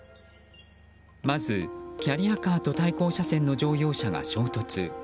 まず、キャリアカーと対向車線の乗用車が衝突。